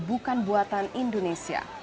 bukan buatan indonesia